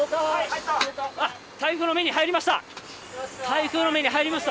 台風の目に入りました。